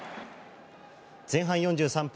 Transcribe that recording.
前半４３分